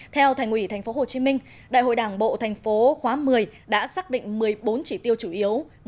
theo thành ủy tp hcm đại hội đảng bộ tp khoá một mươi đã xác định một mươi bốn chỉ tiêu chủ yếu